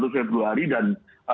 dua puluh satu februari dan